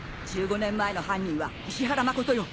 １５年前の犯人は石原誠よ。